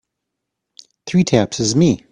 Three taps is me.